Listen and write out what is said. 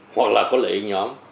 hoặc là có lợi ích nhóm